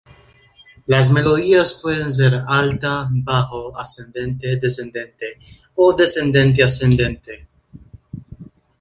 Las melodías pueden ser alta, bajo, ascendente, descendente o descendente-ascendente.